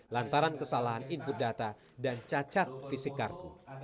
lantaran kesalahan input data dan cacat fisik kartu